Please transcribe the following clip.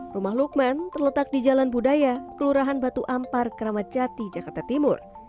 rumah lukman terletak di jalan budaya kelurahan batu ampar keramat jati jakarta timur